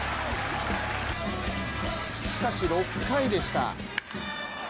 しかし、６回でした。